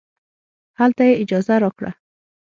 هلته یې اجازه راکړه.